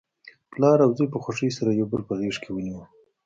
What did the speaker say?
پلار او زوی په خوښۍ سره یو بل په غیږ کې ونیول.